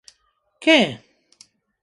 –¡¿Que?!